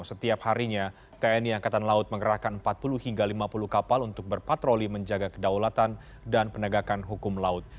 setiap harinya tni angkatan laut mengerahkan empat puluh hingga lima puluh kapal untuk berpatroli menjaga kedaulatan dan penegakan hukum laut